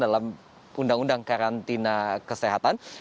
dalam undang undang karantina kesehatan